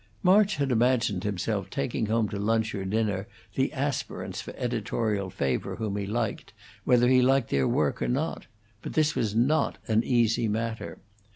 March had imagined himself taking home to lunch or dinner the aspirants for editorial favor whom he liked, whether he liked their work or not; but this was not an easy matter.